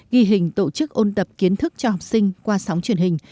ghi hình tổ chức ôn tập kiến thức cho học sinh qua sóng truyền hình